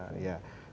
iya serba listrik